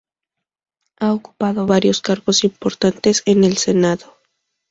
Ha ocupado varios cargos importantes en el Senado.